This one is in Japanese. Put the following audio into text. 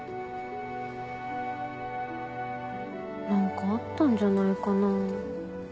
何かあったんじゃないかな。